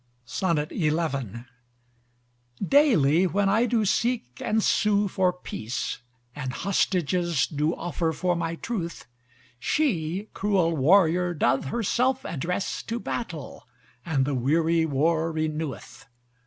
XI Daily when I do seek and sew for peace, And hostages do offer for my truth: She cruel warrior doth herself address To battle, and the weary war renew'th.